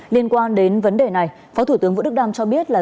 liên quan đến vấn đề này phó thủ tướng vũ đức đam cho biết là